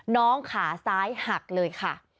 น้องขาซ้ายหักเลยค่ะ